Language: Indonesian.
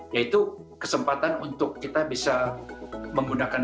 yaitu kesempatan untuk kita bisa menggunakan